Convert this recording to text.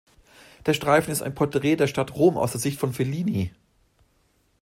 Der Streifen ist ein Porträt der Stadt Rom aus der Sicht von Fellini.